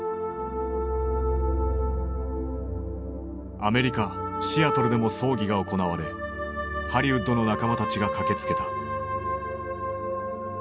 アメリカ・シアトルでも葬儀が行われハリウッドの仲間たちが駆けつけた。